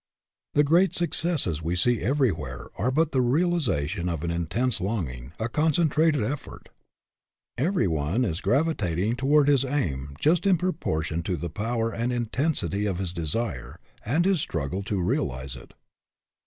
The great successes we see everywhere are but the realization of an intense longing, a concentrated effort. Every one is gravitating toward his aim just in proportion to the power and intensity of his desire, and his struggle to realize it.